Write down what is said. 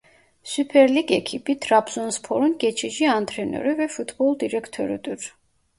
Süper Lig ekibi Trabzonspor'un geçici antrenörü ve futbol direktörüdür.